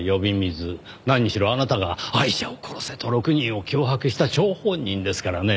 何しろあなたがアイシャを殺せと６人を脅迫した張本人ですからね。